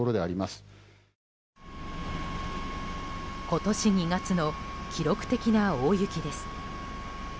今年２月の記録的な大雪です。